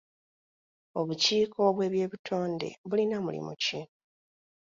Obukiiko bw'eby'obutonde bulina mulimu ki ?